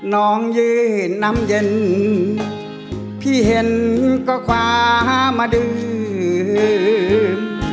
น้องยืนเห็นน้ำเย็นพี่เห็นก็คว้ามาดื่ม